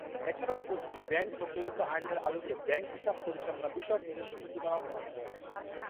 এছাড়াও প্রতিটি ব্যাংক প্রচলিত আইনের আলোকে ব্যাংক হিসাব পরিচালনা বিষয়ক নিজস্ব নীতিমালা প্রণয়ন করে থাকে।